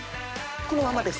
このままです